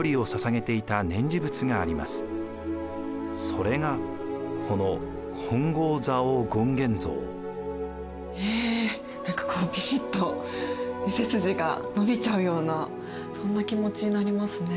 それがこのえ何かこうびしっと背筋が伸びちゃうようなそんな気持ちになりますね。